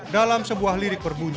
dalam sebuah lirik berbunyi